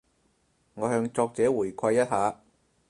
我向作者回饋一下